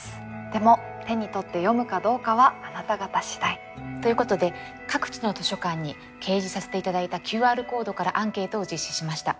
でも手に取って読むかどうかはあなた方次第。ということで各地の図書館に掲示させて頂いたＱＲコードからアンケートを実施しました。